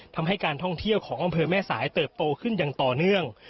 ทำให้การท่องเที่ยวของอำเภอแม่สายเติบโตขึ้นอย่างต่อเนื่อง